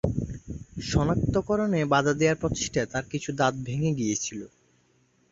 শনাক্তকরণে বাধা দেওয়ার প্রচেষ্টায় তার কিছু দাঁত ভেঙে গিয়েছিল।